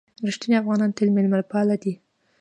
رښتیني افغانان تل مېلمه پالي دي.